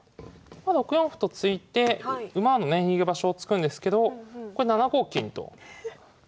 まあ６四歩と突いて馬のね逃げ場所を突くんですけどこれ７五金と初志貫徹。